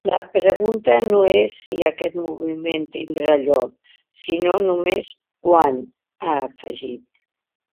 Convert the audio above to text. “La pregunta no és si aquest moviment tindrà lloc, sinó només quan”, ha afegit.